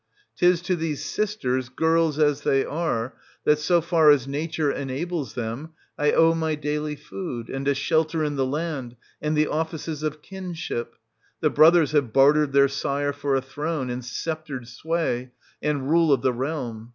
Tis to these sisters, girls as they are, that, so far as nature enables them, I owe my daily food, and a shelter in the land, and the offices of kinship ; the brothers have bartered their sire for a throne, and sceptred sway, and rule of the realm.